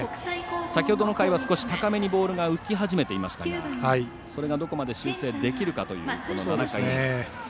先ほどの回は少し高めにボールが浮き始めていましたがそれをどこまで修正できるかという７回。